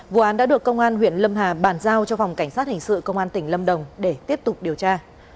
vụ án đã được công an huyện lâm hà bàn giao cho phòng cảnh sát hình sự công an tỉnh lâm đồng để tiếp tục điều tra